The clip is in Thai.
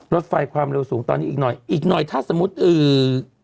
รถไฟความเร็วสูงตอนนี้อีกหน่อยอีกหน่อยถ้าสมมุติเอ่อ